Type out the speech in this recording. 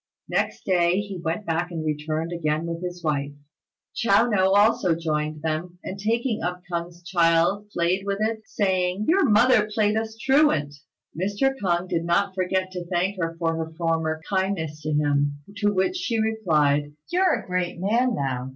Next day he went back and returned again with his wife. Chiao no also joined them, and taking up K'ung's child played with it, saying, "Your mother played us truant." Mr. K'ung did not forget to thank her for her former kindness to him, to which she replied, "You're a great man now.